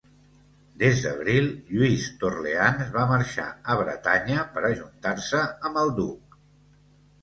Des d'abril, Lluís d'Orleans va marxar a Bretanya per ajuntar-se amb el duc.